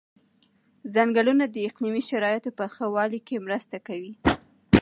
ځنګلونه د اقلیمي شرایطو په ښه والي کې مرسته کوي.